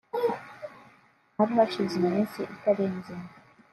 Hari hashize iminsi itarenze ine